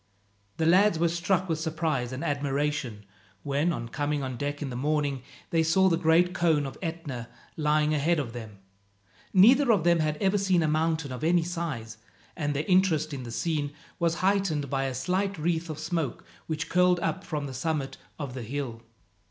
The lads were struck with surprise and admiration when, on coming on deck in the morning, they saw the great cone of Etna lying ahead of them. Neither of them had ever seen a mountain of any size, and their interest in the scene was heightened by a slight wreath of smoke, which curled up from the summit of the hill.